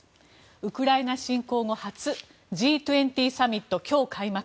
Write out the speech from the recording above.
ウクライナ侵攻後初Ｇ２０サミット今日開幕。